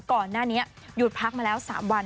ก่อนหน้านี้หยุดพักมาแล้ว๓วัน